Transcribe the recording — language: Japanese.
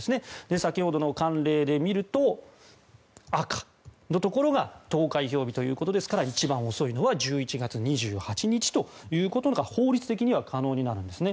先ほどの慣例で見ると赤のところが投開票日ということですから一番遅いのは１１月２８日ということが法律的には可能になるんですね。